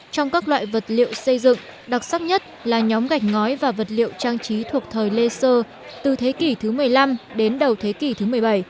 trong các loại vật liệu xây dựng đặc sắc nhất là nhóm gạch ngói và vật liệu trang trí thuộc thời lê sơ từ thế kỷ thứ một mươi năm đến đầu thế kỷ thứ một mươi bảy